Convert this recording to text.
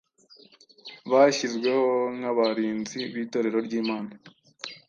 bashyizweho nk’abarinzi b’Itorero ry’Imana